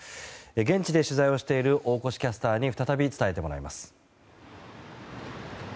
現地で取材をしています大越キャスターに再び伝えてもらいます。